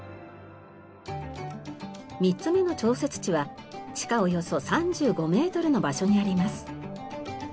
３つ目の調節池は地下およそ３５メートルの場所にあります。